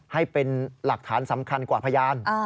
ให้เป็นหลักฐานสำคัญกว่าพยาน